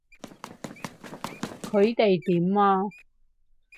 佢哋點啊？